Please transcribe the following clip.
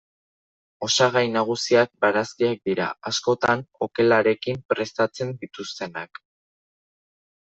Osagai nagusiak barazkiak dira, askotan okelarekin prestatzen dituztenak.